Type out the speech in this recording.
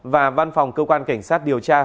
và văn phòng cơ quan cảnh sát điều tra